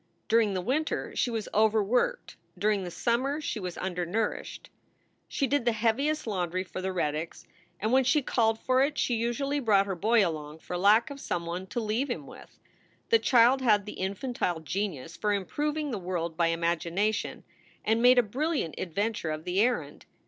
During the winter she was overworked; during the summer she was undernourished. She did the heaviest laundry for the Reddicks, and when she called for it she usually brought her boy along for lack of some one to leave him with. The child had the infantile genius for improving the world by imagination, and made a brilliant adventure of the errand.